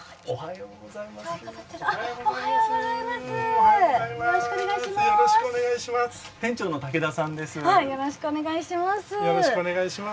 よろしくお願いします。